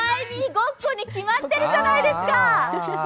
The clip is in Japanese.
ごっこに決まってるじゃないですか！